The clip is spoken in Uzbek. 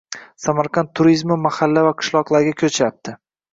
Samarqand turizmi mahalla va qishloqlarga koʻchyapti